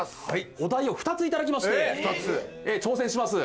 お題を２つ頂きまして挑戦します。